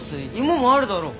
芋もあるだろ。